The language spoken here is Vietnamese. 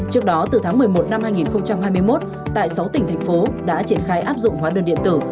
trước đó từ tháng một mươi một năm hai nghìn hai mươi một tại sáu tỉnh thành phố đã triển khai áp dụng hóa đơn điện tử